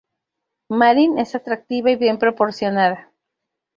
Marin es atractiva y bien proporcionada.